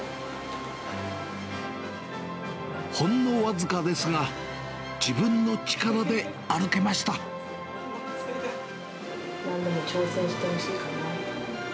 ほんの僅かですが、自分の力なんでも挑戦してほしいかなと。